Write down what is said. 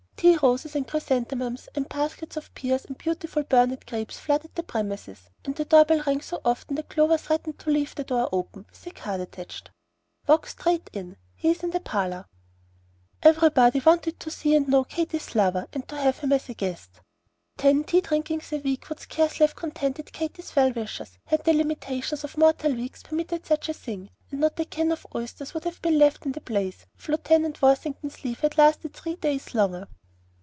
Tea roses and chrysanthemums, and baskets of pears and the beautiful Burnet grapes flooded the premises, and the door bell rang so often that Clover threatened to leave the door open, with a card attached, "Walk straight in. He is in the parlor!" Everybody wanted to see and know Katy's lover, and to have him as a guest. Ten tea drinkings a week would scarcely have contented Katy's well wishers, had the limitations of mortal weeks permitted such a thing; and not a can of oysters would have been left in the place if Lieutenant Worthington's leave had lasted three days longer.